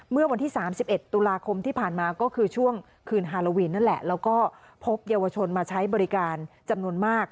เมื่อวันที่๓๑ตุลาคมที่ผ่านมาก็คือช่วงคืนฮาโลวีนนั่นแหละแล้วก็พบเยาวชนมาใช้บริการจำนวนมาก